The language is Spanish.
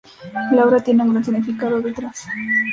La obra tiene un gran significado detrás.